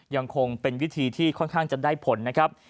ยังคงเป็นวิธีที่ค่อนข้างจะได้ผลนะครับ